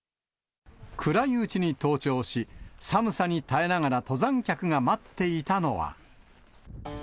暗いうちに登頂し、寒さに耐えながら登山客が待っていたのは。